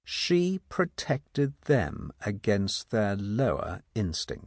She protected them against their own lower instincts.